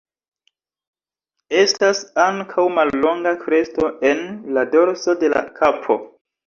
Estas ankaŭ mallonga kresto en la dorso de la kapo.